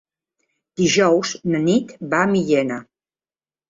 Dijous na Nit va a Millena.